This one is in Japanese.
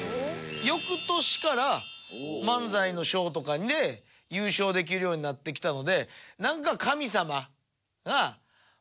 翌年から漫才の賞とかで優勝できるようになってきたので。